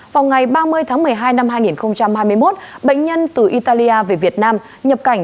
vào ngày ba mươi tháng một mươi hai năm hai nghìn hai mươi một bệnh nhân từ italia về việt nam nhập cảnh